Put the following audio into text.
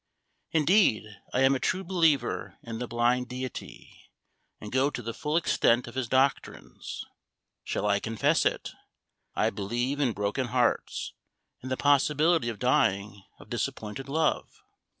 Indeed, I am a true believer in the blind deity, and go to the full extent of his doctrines. Shall I confess it? I believe in broken hearts, and the possibility of dying of disappointed love!